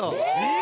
え！